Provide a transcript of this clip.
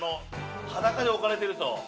裸で置かれてると。